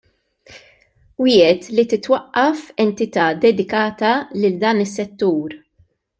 Wiegħed li titwaqqaf entità dedikata lil dan is-settur.